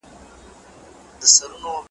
جاهلان مني خدایي د بندگانو `